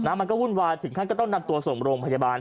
มันก็วุ่นวายถึงขั้นก็ต้องนำตัวส่งโรงพยาบาล